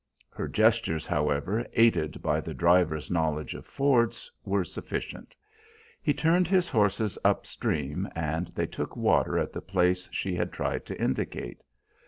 Her gestures, however, aided by the driver's knowledge of fords, were sufficient; he turned his horses up stream and they took water at the place she had tried to indicate.